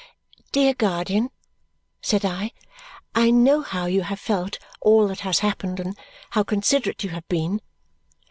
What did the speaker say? "Dear guardian," said I, "I know how you have felt all that has happened, and how considerate you have been.